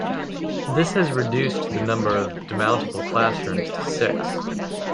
This has reduced the number of demountable classrooms to six.